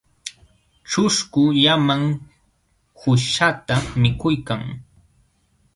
Ćhusku llaman quśhqata mikuykan.